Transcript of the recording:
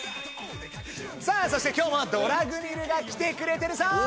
さあそして今日もドラグニルが来てくれてるぞ！